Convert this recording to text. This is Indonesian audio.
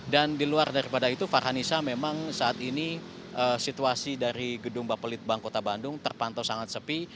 dan di luar daripada itu farhanisa memang saat ini situasi dari gedung bapelitbang kota bandung terpantau sangat sepi